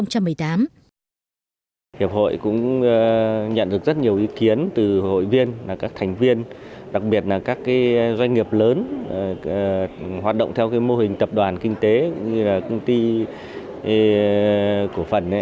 hiệp hội cũng nhận được rất nhiều ý kiến từ hội viên các thành viên đặc biệt là các doanh nghiệp lớn hoạt động theo mô hình tập đoàn kinh tế như là công ty cổ phần